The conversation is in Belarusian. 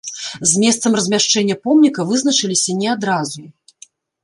З месцам размяшчэння помніка вызначыліся не адразу.